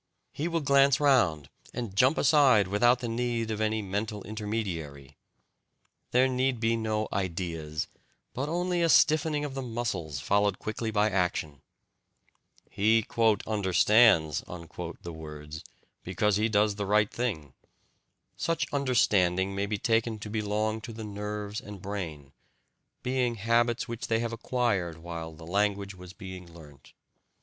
He will glance round and jump aside without the need of any "mental" intermediary. There need be no "ideas," but only a stiffening of the muscles, followed quickly by action. He "understands" the words, because he does the right thing. Such "understanding" may be taken to belong to the nerves and brain, being habits which they have acquired while the language was being learnt.